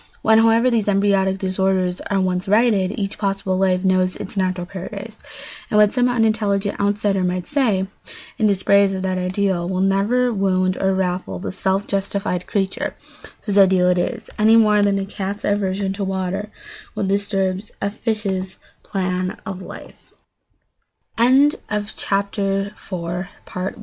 When, however, these embryonic disorders are once righted, each possible life knows its natural paradise, and what some unintelligent outsider might say in dispraise of that ideal will never wound or ruffle the self justified creature whose ideal it is, any more than a cat's aversion to water will disturb a fi